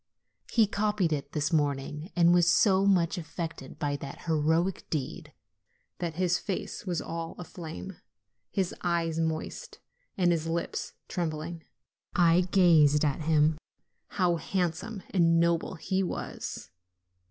He copied it this morning, and was so much affected by that heroic deed, that his face was all aflame, his eyes moist, and his lips trembling. I gazed at him : how handsome and noble he was